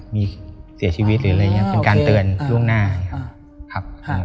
มีเสียชีวิตเป็นการเตือนล่วงหน้า